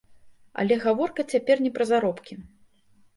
Але гаворка цяпер не пра заробкі.